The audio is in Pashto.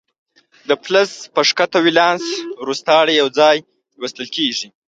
د فلز په ښکته ولانس روستاړي یو ځای لوستل کیږي.